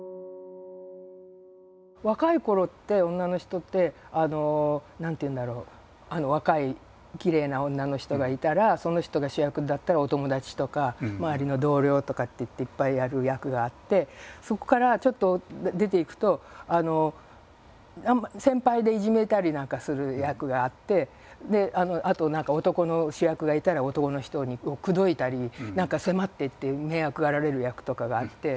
若いころって女の人って何ていうんだろう若いきれいな女の人がいたらその人が主役だったらお友達とか周りの同僚とかっていっていっぱいやる役があってそこからちょっと出ていくと先輩でいじめたりなんかする役があってであと何か男の主役がいたら男の人を口説いたり何か迫ってって迷惑がられる役とかがあって。